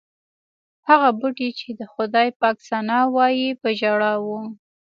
هغه بوټي چې د خدای پاک ثنا وایي په ژړا و.